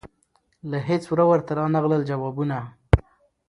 له هیڅ وره ورته رانغلل جوابونه